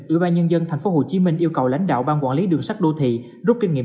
ủy ban nhân dân thành phố hồ chí minh yêu cầu lãnh đạo ban quản lý đường sắt đô thị rút kinh nghiệm